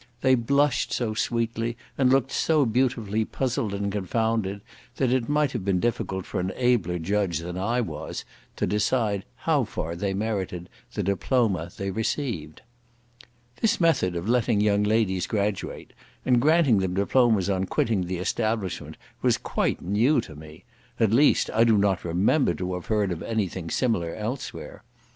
They blushed so sweetly, and looked so beautifully puzzled and confounded, that it might have been difficult for an abler judge than I was to decide how far they merited the diploma they received. This method of letting young ladies graduate, and granting them diplomas on quitting the establishment, was quite new to me; at least, I do not remember to have heard of any thing similar elsewhere.